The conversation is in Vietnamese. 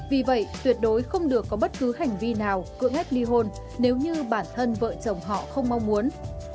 vì vậy tuyệt đối không được có bất cứ hành vi nào cưỡng ép ly hôn nếu như bản thân vợ chồng họ không mong muốn